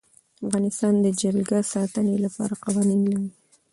افغانستان د جلګه د ساتنې لپاره قوانین لري.